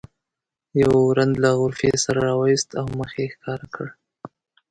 یو رند له غرفې سر راوویست او مخ یې ښکاره کړ.